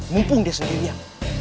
mumpung dia sendirian